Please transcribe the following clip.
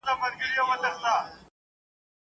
لکه چرګ اذانونه ډېر کوي لمونځ یې چا نه دی لیدلی ..